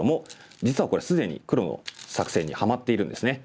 実はこれ既に黒の作戦にハマっているんですね。